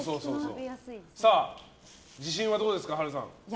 自信はどうですか、波瑠さん。